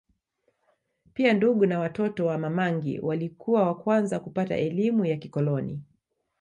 Pia ndugu na watoto wa Mamangi walikuwa wa kwanza kupata elimu ya kikoloni